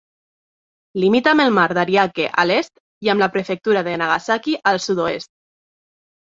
Limita amb el mar d'Ariake a l'est i amb la prefectura de Nagasaki al sud-oest.